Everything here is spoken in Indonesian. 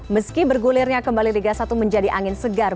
meski bergulirnya kembali liga satu menjadi angin segar